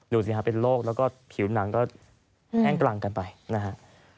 ดูสิฮะเป็นโรคแล้วก็ผิวหนังก็แห้งกลางกันไปนะฮะ